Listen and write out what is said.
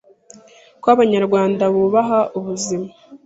ko Abanyarwanda bubaha ubuzima